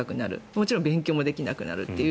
もちろん勉強もできなくなるという。